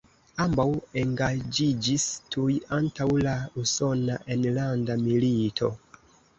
Ambaŭ engaĝiĝis tuj antaŭ la Usona Enlanda Milito.